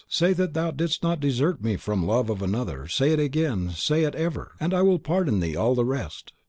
Say that thou didst not desert me from the love of another; say it again, say it ever! and I will pardon thee all the rest!"